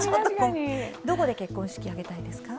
どこで結婚式を挙げたいですか？